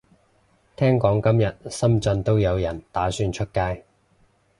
聽講今日深圳都有人打算出街